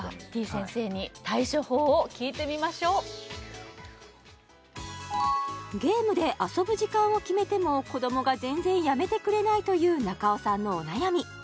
先生に対処法を聞いてみましょうゲームで遊ぶ時間を決めても子どもが全然やめてくれないという中尾さんのお悩み